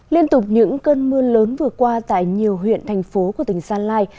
liên tục những cơn mưa lớn vừa qua tại nhiều huyện thành phố của tỉnh gia lai